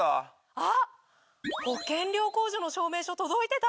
あっ保険料控除の証明書届いてた！